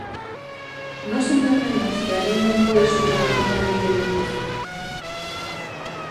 Nós entendemos que a lei non pode supor unha lei de punto final.